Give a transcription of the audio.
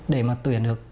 để mà tuyển được